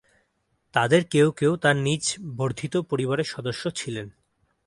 তাদের কেউ কেউ তার নিজ বর্ধিত পরিবারের সদস্য ছিলেন।